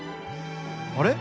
「あれ？